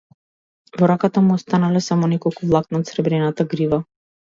Во раката му останале само неколку влакна од сребрената грива.